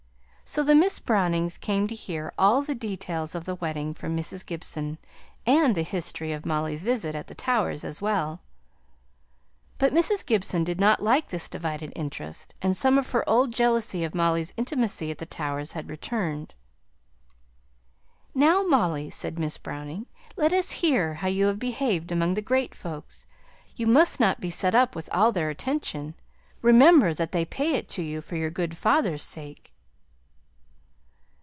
So Miss Brownings came to hear all the details of the wedding from Mrs. Gibson, and the history of Molly's visit at the Towers as well. But Mrs. Gibson did not like this divided interest, and some of her old jealousy of Molly's intimacy at the Towers had returned. "Now, Molly," said Miss Browning, "let us hear how you behaved among the great folks. You must not be set up with all their attention; remember that they pay it to you for your good father's sake."